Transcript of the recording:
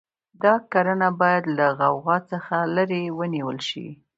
دا کړنه باید له غوغا څخه لرې ونیول شي.